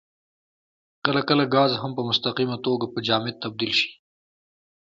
کله کله ګاز هم په مستقیمه توګه په جامد تبدیل شي.